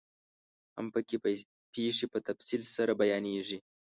هم پکې پيښې په تفصیل سره بیانیږي.